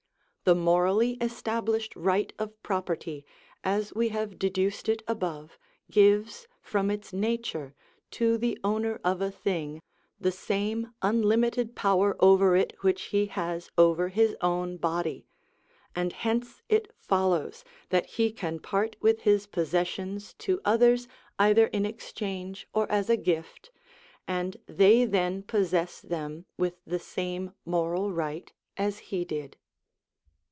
The morally established right of property, as we have deduced it above, gives, from its nature, to the owner of a thing, the same unlimited power over it which he has over his own body; and hence it follows that he can part with his possessions to others either in exchange or as a gift, and they then possess them with the same moral right as he did.